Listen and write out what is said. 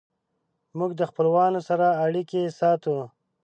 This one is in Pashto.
موږ د خپلوانو سره اړیکې ساتو.